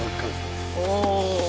お！